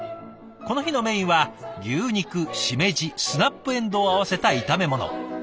この日のメインは牛肉しめじスナップえんどうを合わせた炒め物。